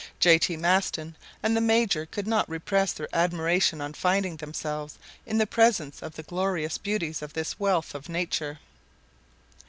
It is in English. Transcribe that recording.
J. T. Maston and the major could not repress their admiration on finding themselves in the presence of the glorious beauties of this wealth of nature.